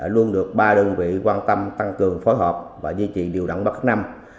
luôn được ba đơn vị quan tâm tăng cường phối hợp và duy trì điều động ba tháng năm